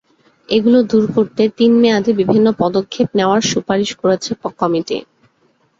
এগুলো দূর করতে তিন মেয়াদে বিভিন্ন পদক্ষেপ নেওয়ার সুপারিশ করেছে কমিটি।